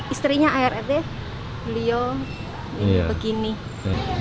istrinya art beliau begini